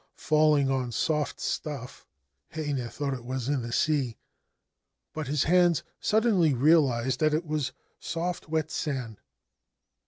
Falling on soft stuff, Heinei thought he was in the sea ; but his hands suddenly realised that it was soft wet sand.